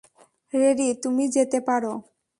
Ready, তুমি যেতে পারো।